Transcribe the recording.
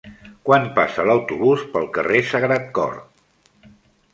Quan passa l'autobús pel carrer Sagrat Cor?